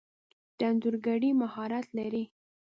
د انځورګری مهارت لرئ؟